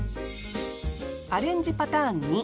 アレンジパターン２。